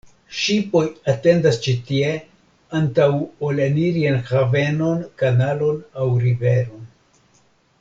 Ŝipoj atendas ĉi tie antaŭ ol eniri en havenon, kanalon aŭ riveron.